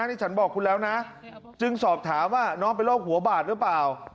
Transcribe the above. นี่ฉันบอกคุณแล้วนะจึงสอบถามว่าน้องเป็นโรคหัวบาดหรือเปล่า